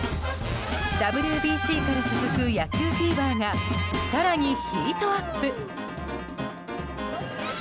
ＷＢＣから続く野球フィーバーが更にヒートアップ。